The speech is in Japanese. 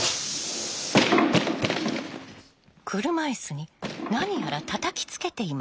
車いすに何やらたたきつけています。